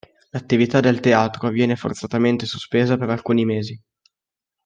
L'attività del teatro viene forzatamente sospesa per alcuni mesi.